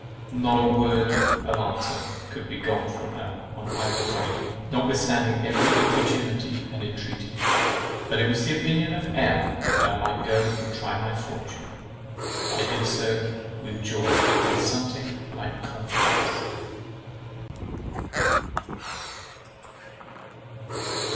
Not a word of answer could be got from her on either point, notwithstanding every importunity and intreaty; but it was the opinion of M—— that I might go and try my fortune. I did so with joy, with something like confidence.